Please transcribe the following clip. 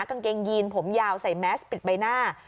กางเกงยีนผมยาวใส่แมสปิดใบหน้า